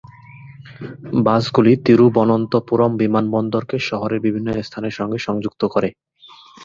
বাসগুলি তিরুবনন্তপুরম বিমানবন্দরকে শহরের বিভিন্ন স্থানের সঙ্গে সংযুক্ত করে।